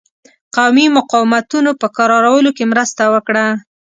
قومي مقاومتونو په کرارولو کې مرسته وکړه.